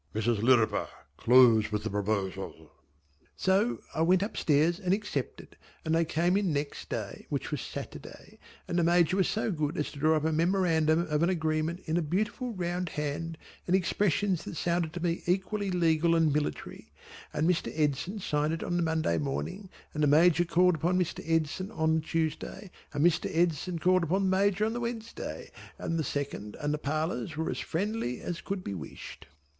Mrs. Lirriper close with the proposal." So I went up stairs and accepted, and they came in next day which was Saturday and the Major was so good as to draw up a Memorandum of an agreement in a beautiful round hand and expressions that sounded to me equally legal and military, and Mr. Edson signed it on the Monday morning and the Major called upon Mr. Edson on the Tuesday and Mr. Edson called upon the Major on the Wednesday and the Second and the parlours were as friendly as could be wished.